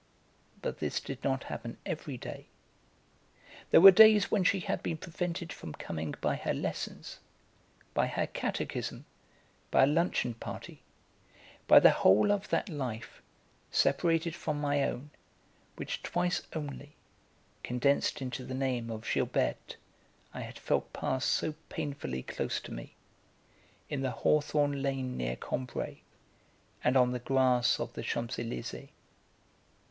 But this did not happen every day; there were days when she had been prevented from coming by her lessons, by her catechism, by a luncheon party, by the whole of that life, separated from my own, which twice only, condensed into the name of Gilberte, I had felt pass so painfully close to me, in the hawthorn lane near Combray and on the grass of the Champs Elysées.